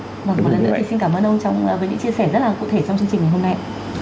và một lần nữa thì xin cảm ơn ông với những chia sẻ rất là cụ thể trong chương trình ngày hôm nay